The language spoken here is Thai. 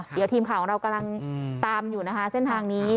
เดี๋ยวทีมข่าวของเรากำลังตามอยู่นะคะเส้นทางนี้